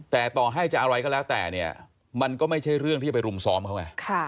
แต่ต่อให้จะอะไรก็แล้วแต่เนี่ยมันก็ไม่ใช่เรื่องที่จะไปรุมซ้อมเขาไง